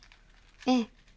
ええ。